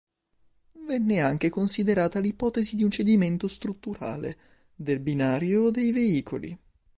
Venne anche considerata l'ipotesi di un cedimento strutturale, del binario o dei veicoli.